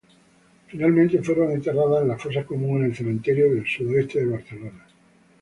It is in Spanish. Finalmente, fueron enterradas en fosa común en el Cementerio del Sud Oeste de Barcelona.